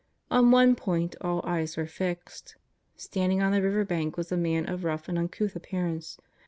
On one point all eyes were fixed. Standing on the river bank was a man of rough and uncouth appearance.